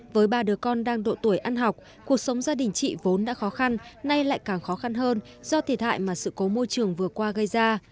với ba đứa con đang độ tuổi ăn học cuộc sống gia đình chị vốn đã khó khăn nay lại càng khó khăn hơn do thiệt hại mà sự cố môi trường vừa qua gây ra